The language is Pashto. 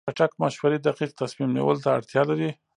چټک مشورې دقیق تصمیم نیولو ته اړتیا لري.